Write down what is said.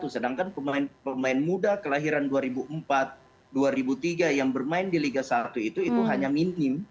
sedangkan pemain pemain muda kelahiran dua ribu empat dua ribu tiga yang bermain di liga satu itu hanya minim